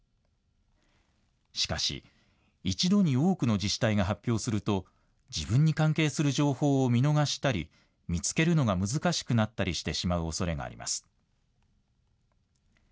しかし、一度に多くの自治体が発表すると、自分に関係する情報を見逃したり、見つけるのが難しくなったりしてしまうおそれがあります。